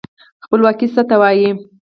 خپلواکي څه ته وايي؟